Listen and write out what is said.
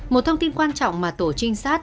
một thông tin quan trọng mà tổ trinh sát